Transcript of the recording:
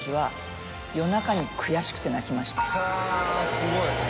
すごい。